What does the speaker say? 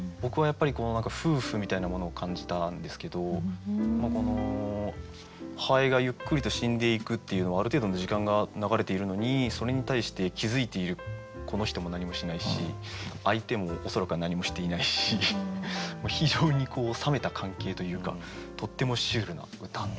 僕は夫婦みたいなものを感じたんですけどこの蝿がゆっくりと死んでいくっていうのはある程度の時間が流れているのにそれに対して気付いているこの人も何もしないし相手も恐らくは何もしていないし非常に冷めた関係というかとってもシュールな歌。